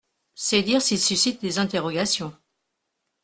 C’est dire s’il suscite des interrogations.